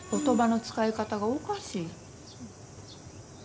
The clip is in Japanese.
言葉の遣い方がおかしい。